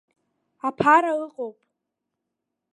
Аԥара ыҟоуп.